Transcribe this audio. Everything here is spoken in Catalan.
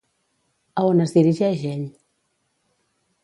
A on es dirigeix ell?